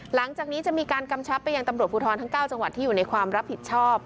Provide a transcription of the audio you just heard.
หลังจากนี้จะมีการกำชับไปยังตำรวจภูทรทั้ง๙จังหวัดที่อยู่ในความรับผิดชอบ